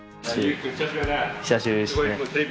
久しぶりですね。